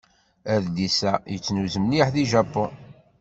Adlis-a yettnuz mliḥ deg Japun.